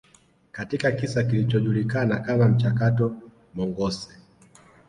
katika kisa kilichojulikana kama mchakato Mongoose